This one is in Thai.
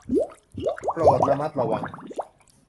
โปรดระมัดระวัง